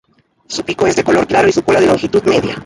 Su pico es de color claro y su cola de longitud media.